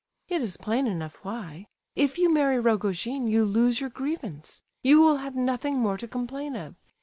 It is plain enough why; if you marry Rogojin you lose your grievance; you will have nothing more to complain of.